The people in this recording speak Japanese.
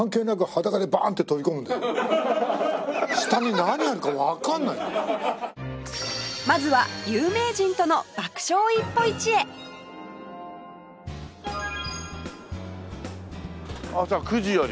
２人でまずは有名人との爆笑一歩一会「朝９時より」